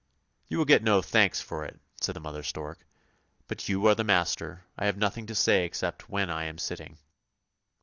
"" You will get no thanks for it," said the mother stork; " but you are the master. I have nothing to say except when I am sitting."